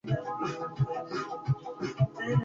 El alcance legal de la norma no ha sido claro.